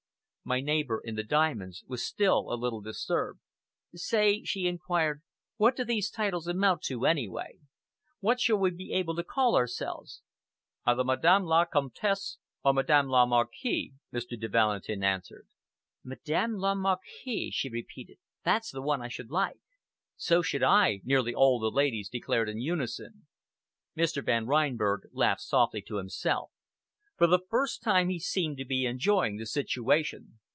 My neighbor in the diamonds was still a little disturbed. "Say," she inquired, "what do these titles amount to anyway? What shall we be able to call ourselves?" "Either Madame la Comtesse or Madame la Marquise," Mr. de Valentin answered. "Madame la Marquise!" she repeated, "that's the one I should like." "So should I!" nearly all the ladies declared in unison. Mr. Van Reinberg laughed softly to himself. For the first time, he seemed to be enjoying the situation.